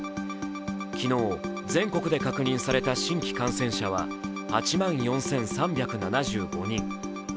昨日、全国で確認された新規感染者は８万４３７５人。